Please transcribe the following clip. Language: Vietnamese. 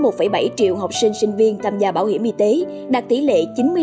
có một bảy triệu học sinh sinh viên tham gia bảo hiểm y tế đạt tỷ lệ chín mươi năm tám mươi hai